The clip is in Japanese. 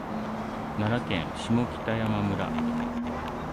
奈良県下北山村